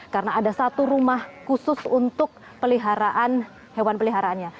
karena ada satu rumah khusus untuk peliharaan hewan peliharaannya